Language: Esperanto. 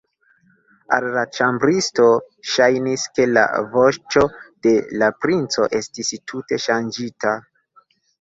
Al la ĉambristo ŝajnis, ke la voĉo de la princo estis tute ŝanĝita.